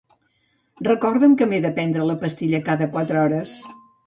Recorda'm que m'he de prendre la pastilla cada quatre hores.